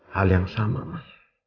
hal yang sama mak